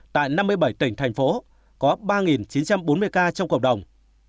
tại năm mươi bảy tỉnh thành phố có ba chín trăm bốn mươi ca trong cộng đồng